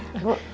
ya enak banget